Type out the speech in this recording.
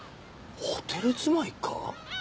ホテル住まいか？